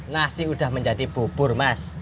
nasi sudah menjadi bubur mas